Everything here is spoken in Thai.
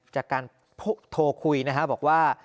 จากการโทรคุยนะฮะบอกว่า